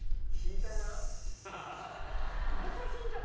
また引いたの？